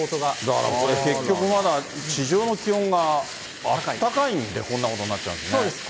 だからこれ、結局まだ、地上の気温があったかいんで、こんなそうです。